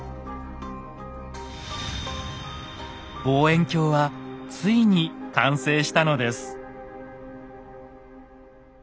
望遠鏡はついに完成したのです。